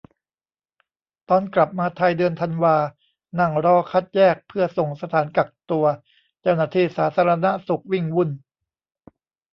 ตอนกลับมาไทย เดือนธันวา นั่งรอคัดแยกเพื่อส่งสถานกักตัว เจ้าหน้าที่สาธารณสุขวิ่งวุ่น